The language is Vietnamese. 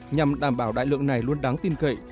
nhằm đảm bảo đại lượng này luôn đáng tin cậy